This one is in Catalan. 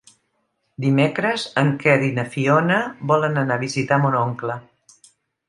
Dimecres en Quer i na Fiona volen anar a visitar mon oncle.